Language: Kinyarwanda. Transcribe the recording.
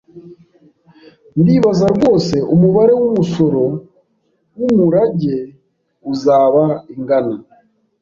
Ndibaza rwose umubare wumusoro wumurage uzaba ingana.